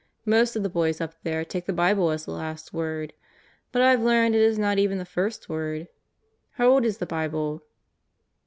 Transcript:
Most of the boys up there take the Bible as the last word But I've learned it is not even the first word. How old is the Bible?"